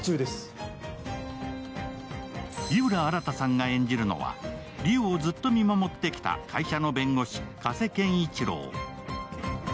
井浦新さんが演じるのは、梨央をずっと見守ってきた会社の弁護士、加瀬賢一郎。